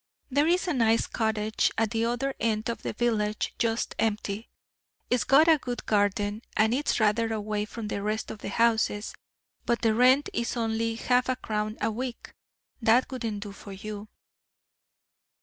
There is a nice cottage at the other end of the village just empty. It's got a good garden, and is rather away from the rest of the houses; but the rent is only half a crown a week. That wouldn't do for you."